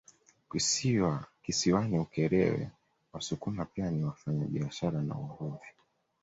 Kisiwani Ukerewe Wasukuma pia ni wafanyabiashara na uvuvi